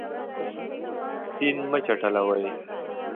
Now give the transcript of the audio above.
سیند مه چټلوئ.